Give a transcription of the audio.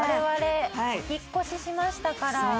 我々お引っ越ししましたから。